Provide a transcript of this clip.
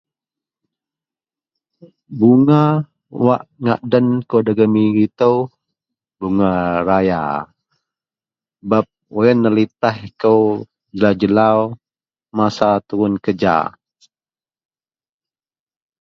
Bunga wak ngak den kou dagen migu itou bunga raya sebab wak yen nelitaih kou jelau-jelau masa turun kereja.